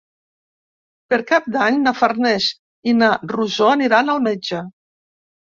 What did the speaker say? Per Cap d'Any na Farners i na Rosó aniran al metge.